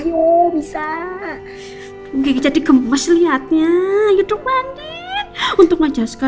udah disitu aja nak